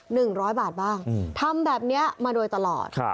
หนึ่งร้อยบาทบ้างอืมทำแบบเนี้ยมาโดยตลอดครับ